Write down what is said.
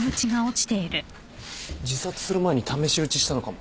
自殺する前に試し撃ちしたのかも。